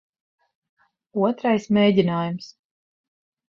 Otrais mēģinājums.